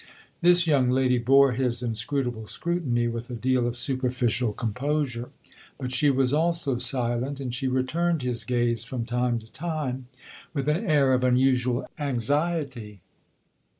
This young lady bore his inscrutable scrutiny with a deal of superficial composure; but she was also silent, and she returned his gaze, from time to time, with an air of unusual anxiety.